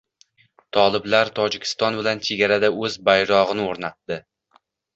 Toliblar Tojikiston bilan chegarada o‘z bayrog‘ini o‘rnatdi